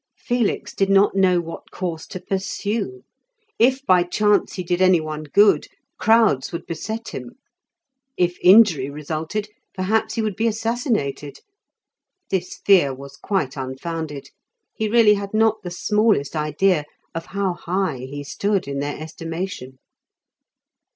Felix did not know what course to pursue; if by chance he did any one good, crowds would beset him; if injury resulted, perhaps he would be assassinated. This fear was quite unfounded; he really had not the smallest idea of how high he stood in their estimation.